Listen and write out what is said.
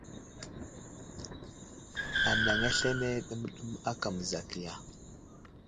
Anaŋ aslane ɗəmɗəm aka məzakiya.